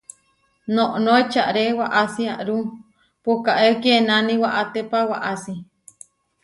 Noʼnó eʼčáre waʼási aʼáru puʼkáe kienáni waʼátépa waʼási.